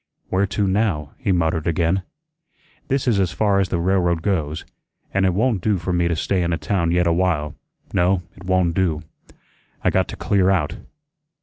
"Where to now?" he muttered again. "This is as far as the railroad goes, an' it won' do for me to stay in a town yet a while; no, it won' do. I got to clear out.